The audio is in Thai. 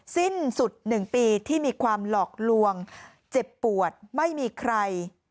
สิ้นสุด๑ปีที่มีความหลอกลวงเจ็บปวดไม่มีใคร